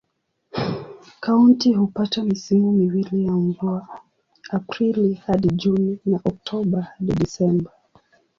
Kaunti hupata misimu miwili ya mvua: Aprili hadi Juni na Oktoba hadi Disemba.